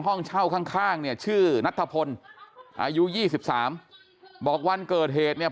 ห้องเช่าข้างเนี่ยชื่อนัทธพลอายุยี่สิบสามบอกวันเกิดเหตุเนี่ย